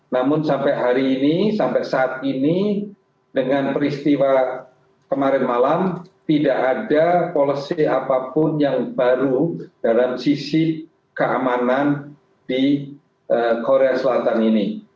namun sampai hari ini sampai saat ini dengan peristiwa kemarin malam tidak ada polisi apapun yang baru dalam sisi keamanan di korea selatan ini